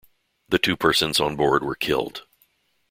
The two persons on board were killed.